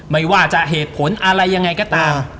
ไม่ว่าจะเหตุผลอะไรยังไงก็ตาม